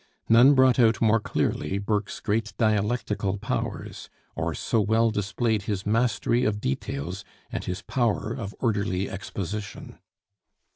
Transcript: None brought out more clearly Burke's great dialectical powers, or so well displayed his mastery of details and his power of orderly exposition.